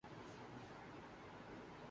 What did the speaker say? پنجاب کے سرکاری سکولوں میں سکول میل